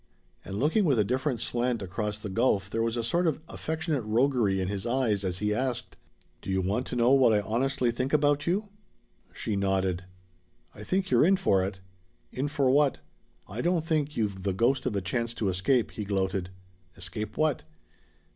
And looking with a different slant across the gulf there was a sort of affectionate roguery in his eyes as he asked: "Do you want to know what I honestly think about you?" She nodded. "I think you're in for it!" "In for what?" "I don't think you've the ghost of a chance to escape!" he gloated. "Escape what?"